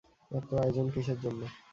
এত আয়োজন কীসের জন্য?